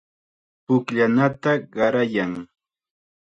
Pukllanata qarayan.